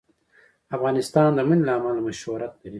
افغانستان د منی له امله شهرت لري.